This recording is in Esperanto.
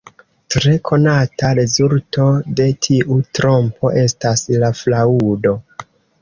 Tre konata rezulto de tiu trompo estas la fraŭdo.